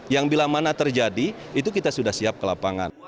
yang bila mana terjadi itu kita sudah siap ke lapangan